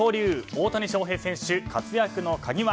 大谷翔平選手活躍の鍵は？